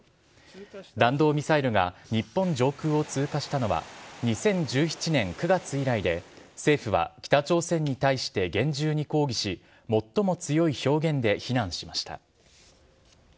弾道ミサイルが日本上空を通過したのは、２０１７年９月以来で、政府は北朝鮮に対して厳重に抗議し、最も強い表現で非難しました。